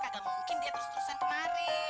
gak mungkin dia terus terusan kemari